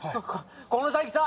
この先さ